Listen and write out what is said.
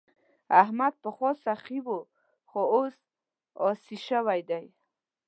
احمد پخوا سخي وو خو اوس اسي شوی دی.